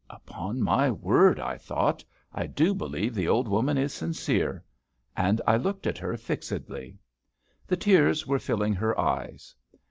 "Upon my word," I thought, "I do believe the old woman is sincere;" and I looked at her fixedly. The tears were filling her eyes.